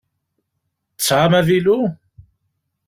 Tesɛam avilu?